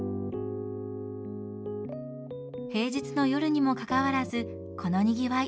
平日の夜にもかかわらずこのにぎわい。